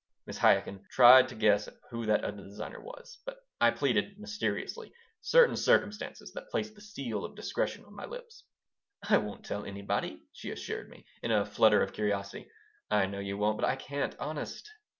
'" Mrs. Chaikin tried to guess who that other designer was, but I pleaded, mysteriously, certain circumstances that placed the seal of discretion on my lips "I won't tell anybody," she assured me, in a flutter of curiosity "I know you won't, but I can't. Honest."